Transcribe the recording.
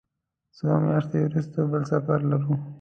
څو میاشتې وروسته بل سفر لرو.